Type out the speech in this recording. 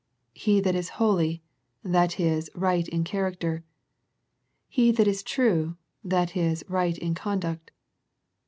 " He that is holy," that is, right in character. " He that is true," that is, right in conduct.